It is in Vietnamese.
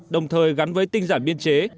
đồng thời gắn với tinh giản biên chế